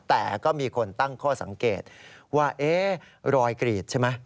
แต่ก็มีคนตั้งข้อสังเกตว่ารอยกรีดใช่ไหม